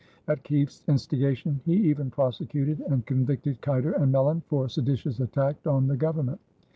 At Kieft's instigation he even prosecuted and convicted Kuyter and Melyn for seditious attack on the government.